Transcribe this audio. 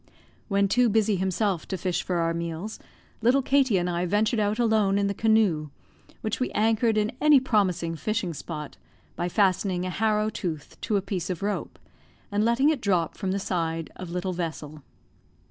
When too busy himself to fish for our meals, little Katie and I ventured out alone in the canoe, which we anchored in any promising fishing spot, by fastening a harrow tooth to a piece of rope, and letting it drop from the side of little vessel.